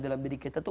dalam diri kita itu